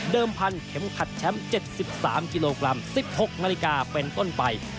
พันเข็มขัดแชมป์๗๓กิโลกรัม๑๖นาฬิกาเป็นต้นไป